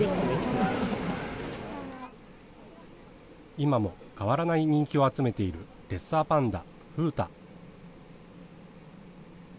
今も変わらない人気を集めているレッサーパンダ、風太。